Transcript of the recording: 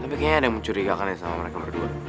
tapi kayaknya ada yang mencurigakan ya sama mereka berdua